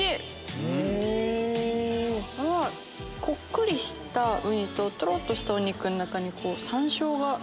こっくりしたウニととろっとしたお肉の中に山椒が。